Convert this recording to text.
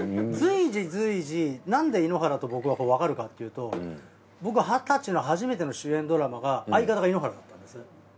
随時随時なんで井ノ原と僕はわかるかっていうと僕二十歳の初めての主演ドラマが相方が井ノ原だったんです。